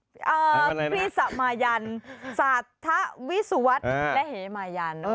พรีสะมายันสัทธาวิสุวรรษและเหมายัน